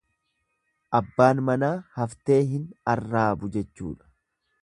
Abbaan manaa haftee hin arraabu jechuudha.